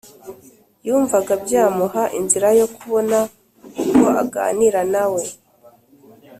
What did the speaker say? yumvaga byamuha inzira yo kubona uko aganira na we